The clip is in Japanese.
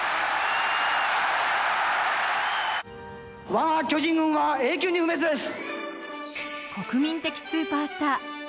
我が巨人軍は永久に不滅です。